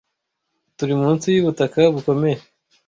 turi munsi y'ubutaka bukomeye